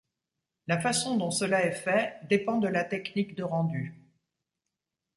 La façon dont cela est fait dépend de la technique de rendu.